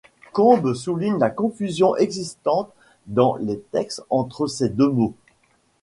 Combes souligne la confusion existante dans les textes entre ces deux mots.